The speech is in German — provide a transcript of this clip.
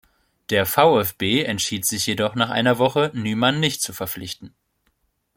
Der VfB entschied sich jedoch nach einer Woche, Nyman nicht zu verpflichten.